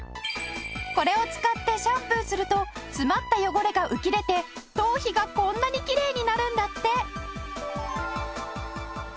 これを使ってシャンプーすると詰まった汚れが浮き出て頭皮がこんなにきれいになるんだって。